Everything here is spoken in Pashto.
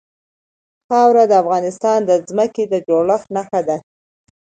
خاوره د افغانستان د ځمکې د جوړښت نښه ده.